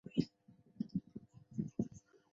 丰蒂安人口变化图示